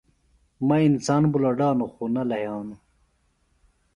مہ انسان بُلڈانوۡ خوۡ نہ لھیانوۡ